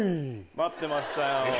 待ってましたよ。